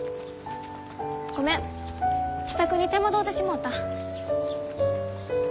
ごめん支度に手間取うてしもうた。